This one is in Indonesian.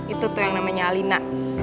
itu tuh yang namanya lina